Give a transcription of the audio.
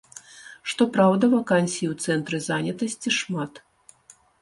Што праўда, вакансій у цэнтры занятасці шмат.